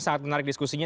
sangat menarik diskusinya